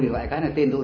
thì loại cái này tên tôi